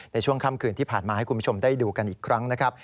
ในช่วงค่ำคืนที่ผ่านมาให้คุณผู้ชมได้ดูกันอีกครั้งนะครับ